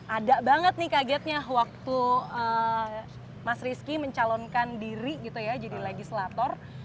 ada banget nih kagetnya waktu mas rizky mencalonkan diri gitu ya jadi legislator